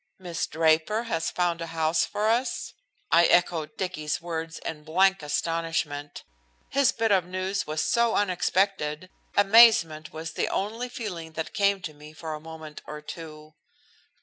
"Miss Draper has found a house for us!" I echoed Dicky's words in blank astonishment. His bit of news was so unexpected, amazement was the only feeling that came to me for a moment or two.